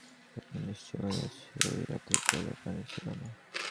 আপনার নিশ্চয়ই মনে আছে -ঐ রাতে কলে পানি ছিল না?